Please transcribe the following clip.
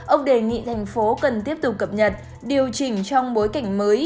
ông đề nghị thành phố cần tiếp tục cập nhật điều chỉnh trong bối cảnh mới